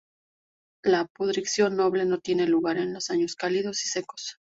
La pudrición noble no tiene lugar en los años cálidos y secos.